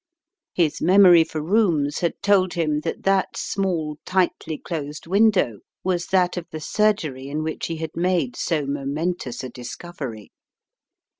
His memory for rooms had told him that that small tightly closed window was that of the surgery in which he had made so momentous a discovery.